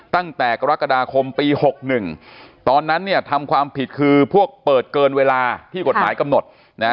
ตั้งแต่กรกฎาคมปี๖๑ตอนนั้นเนี่ยทำความผิดคือพวกเปิดเกินเวลาที่กฎหมายกำหนด